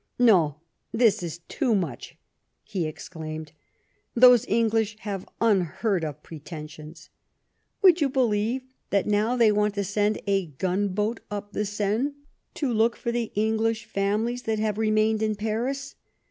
"No, this is too much!" he exclaimed, "those English have unheard of pretensions ! Would you believe that now they want to send a gunboat up the Seine to look for the English families that have remained in Paris